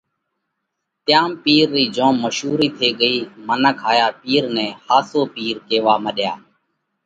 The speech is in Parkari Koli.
تيام پِير رئِي جوم مشُورئِي ٿي ڳئِي۔ منک هايا پِير نئہ ۿاسو پِير ڪيوا مڏيا۔